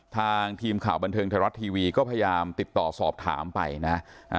ทางทีมข่าวบันเทิงไทยรัฐทีวีก็พยายามติดต่อสอบถามไปนะฮะ